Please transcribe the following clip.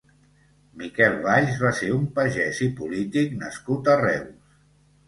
Miquel Valls va ser un pagès i polític nascut a Reus.